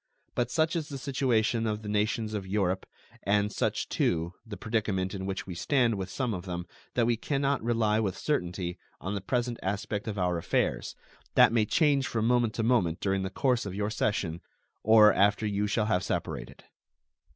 But such is the situation of the nations of Europe and such, too, the predicament in which we stand with some of them that we can not rely with certainty on the present aspect of our affairs, that may change from moment to moment during the course of your session or after you shall have separated.